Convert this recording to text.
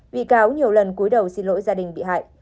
bị cáo nhiều lần cuối đầu xin lỗi gia đình bị hại